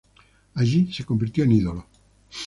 Allí se convirtió en ídolo.